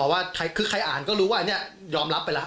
ว่าคือใครอ่านก็รู้ว่าอันนี้ยอมรับไปแล้ว